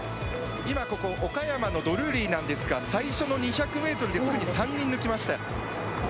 今ここ岡山のドルーリーなんですが、最初の２００メートルですでに３人抜きました。